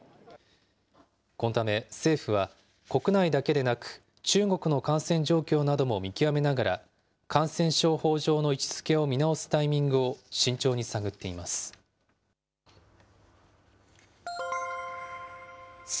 このため、政府は国内だけでなく、中国の感染状況なども見極めながら、感染症法上の位置づけを見直すタイミングを慎重に探っています。